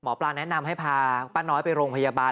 หมอปลาแนะนำให้พาป้าน้อยไปโรงพยาบาล